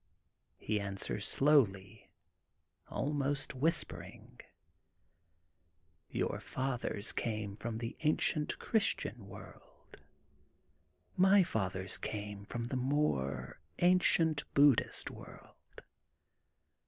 He answers slowly, ahnost whispering:— / Your fathers came from the ancient Christian world. My fathers came from the more ancient Buddhist world.